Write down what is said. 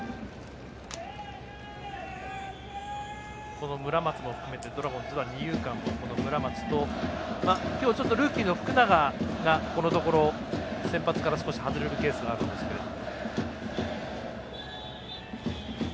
この村松も含めてドラゴンズは二遊間を村松と今日、ルーキーの福永が先発から少し外れるケースがあるんですけど。